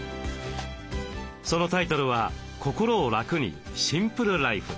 そのタイトルは「心を楽にシンプルライフ」。